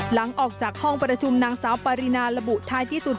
หลังจากออกจากห้องประชุมนางสาวปารีนาระบุท้ายที่สุด